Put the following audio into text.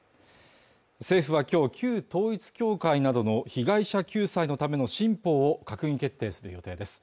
政府はきょう旧統一教会などの被害者救済のための新法を閣議決定する予定です